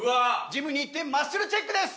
ジムに行ってマッスルチェックです。